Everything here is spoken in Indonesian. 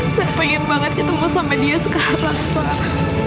saya pengen banget ketemu sama dia sekarang pak